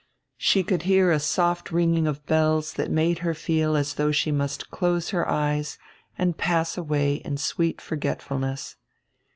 She could hear a soft ringing of bells that made her feel as though she must close her eyes and pass away in sweet forgetfulness.